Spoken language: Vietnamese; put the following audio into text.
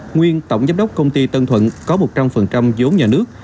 nguyên tổng giám đốc công ty tân thuận có một trăm linh vốn nhà nước